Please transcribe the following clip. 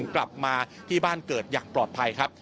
กลับมาที่บ้านเกิดอย่างปลอดภัยครับ